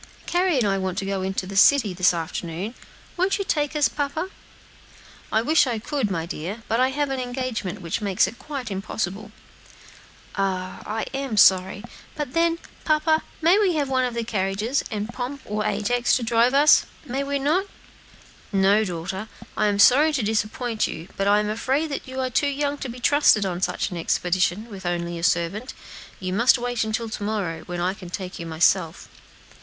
"Carry and I want to go to the city, this afternoon; won't you take us, papa?" "I wish I could, my dear, but I have an engagement, which makes it quite impossible." "Ah, I'm so sorry! but then, papa, we may have one of the carriages, and Pomp or Ajax to drive us, may we not?" "No, daughter; I am sorry to disappoint you, but I am afraid you are too young to be trusted on such an expedition with only a servant. You must wait until to morrow, when I can take you myself."